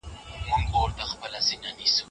د خاطب علم او مسلک نامعلوم نه دي پاته سوي.